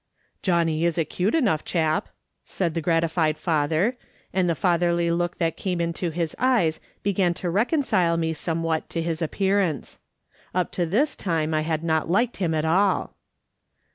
" Johnny is a cute enough chap," said the gratified father, and the fatherly look that came into his eyes began to reconcile me somewhat to his appearance. Up to this time I had not liked him at all.